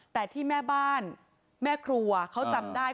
แต่ที่แม่บ้านแม่ครัวเขาจำได้